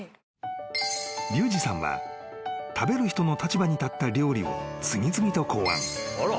［リュウジさんは食べる人の立場に立った料理を次々と考案］